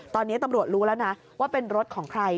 ตอนนี้ตำรวจรู้แล้วนะว่าเป็นรถของใคร